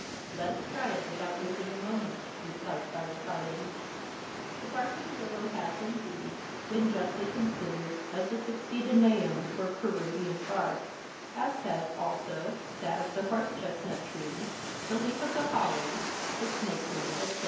"Let us try it without losing a moment," replied Cyrus Harding. The bark of the willow has, indeed, been justly considered as a succedaneum for Peruvian bark, as has also that of the horse chestnut tree, the leaf of the holly, the snake root, etc.